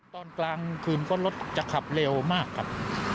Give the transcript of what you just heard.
ตอนกลางคืนก็รถจะขับเร็วมากครับ